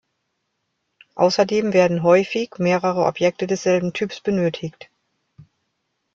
Außerdem werden häufig mehrere Objekte desselben Typs benötigt.